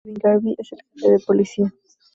Kevin Garvey es el Jefe de Policía.